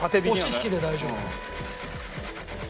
押しひきで大丈夫。